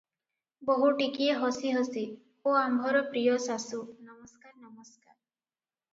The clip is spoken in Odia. ବୋହୁ ଟିକିଏ ହସି ହସି 'ଓ ଆମ୍ଭର ପ୍ରିୟ ଶାଶୁ! ନମସ୍କାର -ନମସ୍କାର ।